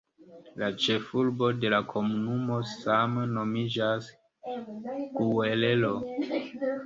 La ĉefurbo de la komunumo same nomiĝas "Guerrero".